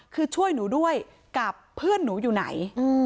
คือช่วยหนูด้วยกับเพื่อนหนูอยู่ไหน